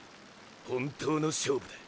「本当の勝負」だ。